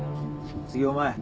次お前。